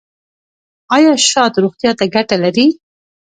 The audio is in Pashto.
ایا شات روغتیا ته ګټه لري؟